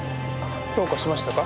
どうかしましたか？